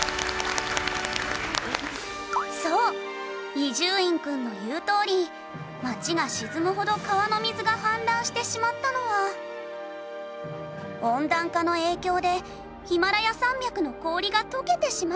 伊集院くんの言うとおり街が沈むほど川の水が氾濫してしまったのは温暖化の影響でヒマラヤ山脈の氷が解けてしまったから。